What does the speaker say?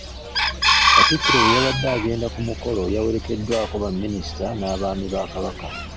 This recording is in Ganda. Katikkiro bwe yabadde agenda ku mukolo yawerekeddwako Baminisita n'Abaami ba Kabaka.